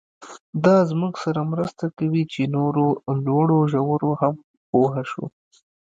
دا زموږ سره مرسته کوي چې نورو لوړو ژورو هم پوه شو.